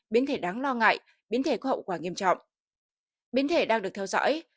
biến thể đáng lo ngại biến thể có hậu quả nghiêm trọng biến thể đang được theo dõi